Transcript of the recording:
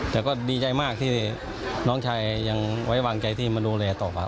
แต่ก็ดีใจมากที่น้องชายยังไว้วางใจที่มาดูแลต่อครับ